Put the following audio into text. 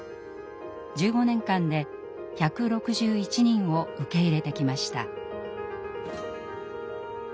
１５年間で１６１人を受け入れてきました。